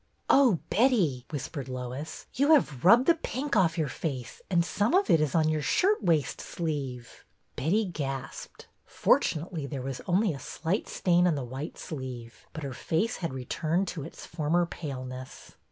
'' Oh, Betty," whispered Lois, '' you have rubbed the pink ofif your face, and some of it is on your shirtwaist sleeve !" Betty gasped. Fortunately, there was only a slight stain on the white sleeve, but her face had returned to its former paleness.